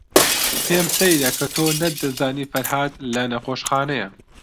پێم سەیرە کە تۆ نەتدەزانی فەرھاد لە نەخۆشخانەیە.